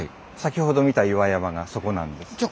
先ほど見た岩山がそこなんです。